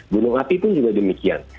gunung api pun juga demikian